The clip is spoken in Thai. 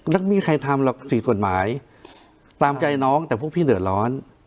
แล้วไม่มีใครทำหรอกสี่กฎหมายตามใจน้องแต่พวกพี่เดือดร้อน